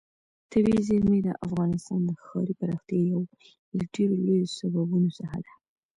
طبیعي زیرمې د افغانستان د ښاري پراختیا یو له ډېرو لویو سببونو څخه ده.